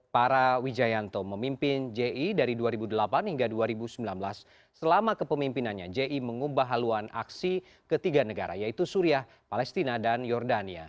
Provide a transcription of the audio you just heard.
para wijayanto memimpin ji dari dua ribu delapan hingga dua ribu sembilan belas selama kepemimpinannya ji mengubah haluan aksi ketiga negara yaitu suriah palestina dan jordania